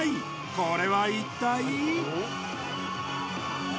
これは一体？